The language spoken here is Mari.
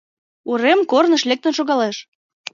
Урем корныш лектын шогалеш.